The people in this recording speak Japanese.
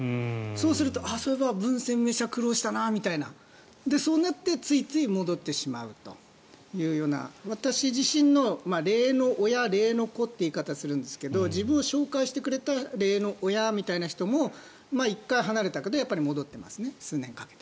そうするとそういえばブン・センメイ氏は苦労したなみたいなそうなって、ついつい戻ってしまうというような私自身の霊の親、霊の子という言い方をするんですが自分を紹介してくれた霊の親みたいな人も１回離れたけど数年かけて戻っていますね。